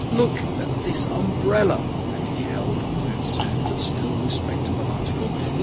Look at this umbrella." And he held up that sad but still respectable article.